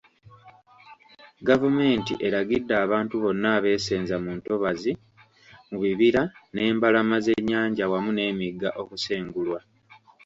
Gavumenti eragidde abantu bonna abeesenza mu ntobazi, mu bibira n'embalama z'ennyanja wamu n'emigga okusengulwa.